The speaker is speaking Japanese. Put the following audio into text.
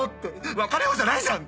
「別れよう」じゃないじゃん！